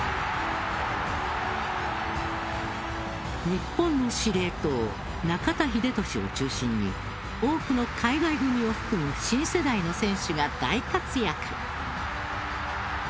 日本の司令塔、中田英寿を中心に多くの海外組を含む新世代の選手が大活躍。